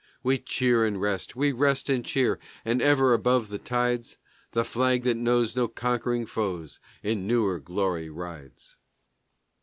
We cheer and rest, we rest and cheer; and ever above the tides The flag that knows no conquering foes in newer glory rides.